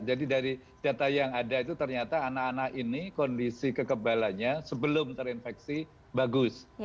jadi dari data yang ada itu ternyata anak anak ini kondisi kekebalannya sebelum terinfeksi bagus